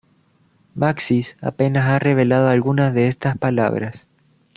Maxis apenas ha revelado algunas de estas palabras.